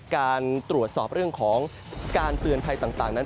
การตรวจสอบเรื่องของการเตือนภัยต่างนั้น